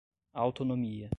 autonomia